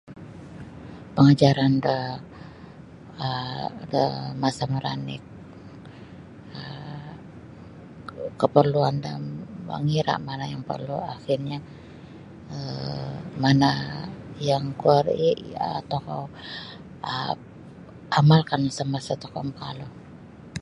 Pangajaran da um de masa maranik um kaparluan da mangira' yang porlu akhirnyo mana' yang kuo ri um tokou um amalkan samasa tokou makalu.